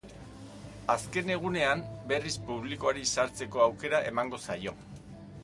Azken egunean, berriz, publikoari sartzeko aukera emango zaio.